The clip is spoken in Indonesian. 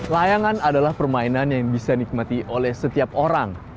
layangan adalah permainan yang bisa dinikmati oleh setiap orang